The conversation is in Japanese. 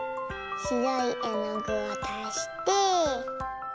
しろいえのぐをたして。